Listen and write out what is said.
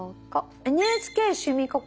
「ＮＨＫ趣味ココ」。